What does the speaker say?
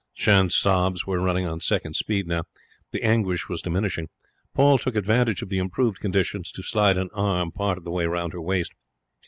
Jeanne's sobs were running on second speed now. The anguish was diminishing. Paul took advantage of the improved conditions to slide an arm part of the way round her waist.